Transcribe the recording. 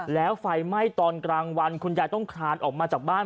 แล้วไฟไหม้ตอนกลางวันคุณยายต้องคลานออกมาจากบ้าน